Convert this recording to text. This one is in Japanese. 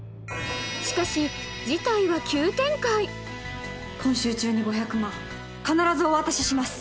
しかし事態は今週中に５００万必ずお渡しします